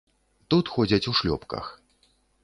Тут ходзяць у шлёпках.